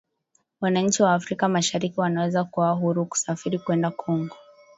Wananchi wa Afrika Mashariki wanaweza kuwa huru kusafiri kwenda Kongo